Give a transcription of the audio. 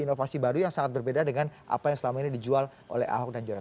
inovasi baru yang sangat berbeda dengan apa yang selama ini dijual oleh ahok dan joy